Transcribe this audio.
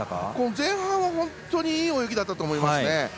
前半は本当にいい泳ぎだと思いますね。